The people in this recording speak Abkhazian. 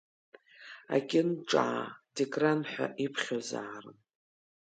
Акьынҿаа Дикран ҳәа иԥхьозаарын.